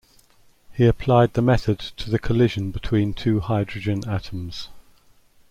He applied the method to the collision between two hydrogen atoms.